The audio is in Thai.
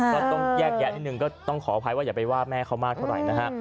ก็ต้องแยกแยะนิดนึงก็ต้องขออภัยว่าอย่าไปว่าแม่เขามากเท่าไหร่นะฮะ